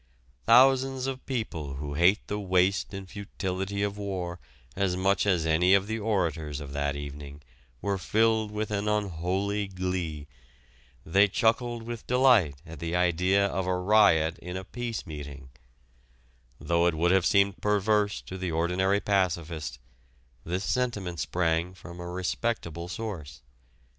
Thousands of people who hate the waste and futility of war as much as any of the orators of that evening were filled with an unholy glee. They chuckled with delight at the idea of a riot in a peace meeting. Though it would have seemed perverse to the ordinary pacificist, this sentiment sprang from a respectable source.